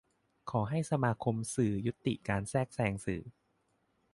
ขอให้สมาคมสื่อยุติการแทรกแซงสื่อ